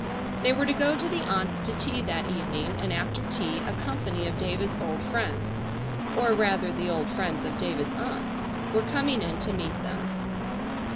They were to go to the aunts' to tea that evening, and after tea a company of David's old friends—or rather the old friends of David's aunts—were coming in to meet them.